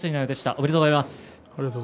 おめでとうございます。